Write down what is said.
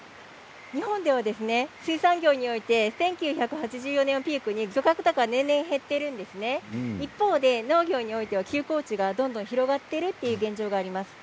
日本では水産業において１９８４年をピークに漁獲高が年々減っているんです一方、農業は休耕地が広がっているという現状があります。